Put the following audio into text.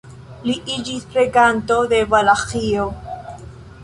Li iĝis reganto de Valaĥio.